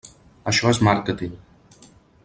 Això és màrqueting.